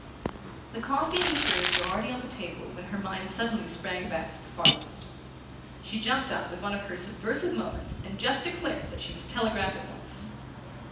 The coffee and liqueurs were already on the table when her mind suddenly sprang back to the Farlows. She jumped up with one of her subversive movements and declared that she must telegraph at once.